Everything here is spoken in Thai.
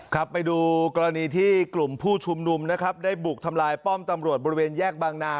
ครับไปดูกรณีที่กลุ่มผู้ชุมนุมนะครับได้บุกทำลายป้อมตำรวจบริเวณแยกบางนา